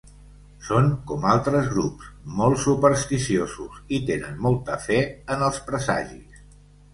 Són com altres grups, molt supersticiosos i tenen molta fe en els presagis.